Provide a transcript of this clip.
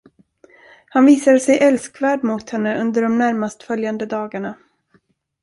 Han visade sig älskvärd mot henne under de närmast följande dagarna.